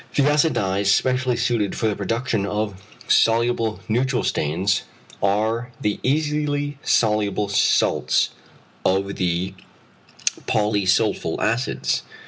The acid dyes specially suited for the production of soluble neutral stains are the easily soluble salts of the polysulpho acids.